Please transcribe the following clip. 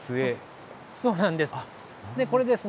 そうなんです。